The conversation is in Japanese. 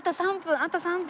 あと３分。